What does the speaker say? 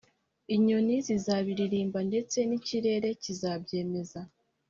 inyoni zizabiririmba ndetse n’ikirere kizabyemeza